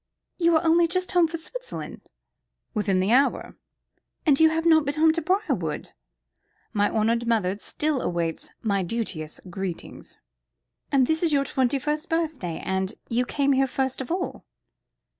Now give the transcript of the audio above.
"You are only just home from Switzerland?" "Within this hour!" "And you have not even been to Briarwood?" "My honoured mother still awaits my duteous greetings." "And this is your twenty first birthday, and you came here first of all."